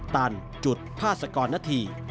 ตันจุดพาสกรณฐี